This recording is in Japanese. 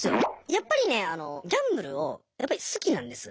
やっぱりねあのギャンブルをやっぱり好きなんです。